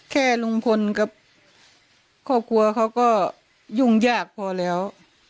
แค่ลุงพลกับครอบครัวเขาก็ยุ่งยากพอแล้ว